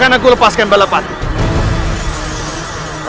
akan aku lepaskan balapannya